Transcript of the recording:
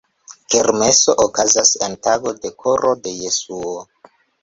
Kermeso okazas en tago de Koro de Jesuo.